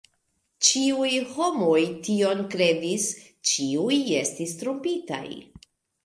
Ĉiuj homoj tion kredis; ĉiuj estis trompitaj.